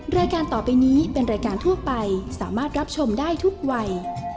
รายการต่อไปนี้เป็นรายการทั่วไปสามารถรับชมได้ทุกวัย